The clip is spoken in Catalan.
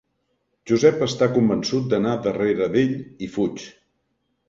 Josep està convençut d'anar darrere d'ell i fuig.